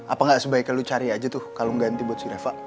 apa nggak sebaiknya lu cari aja tuh kalau ganti buat si reva